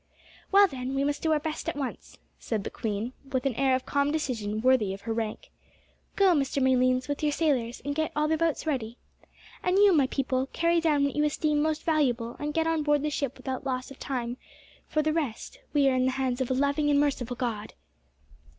"Well, then, we must do our best at once," said the queen, with an air of calm decision worthy of her rank. "Go, Mr Malines, with your sailors, and get all the boats ready. And you, my people, carry down what you esteem most valuable and get on board the ship without loss of time for the rest, we are in the hands of a loving and merciful God."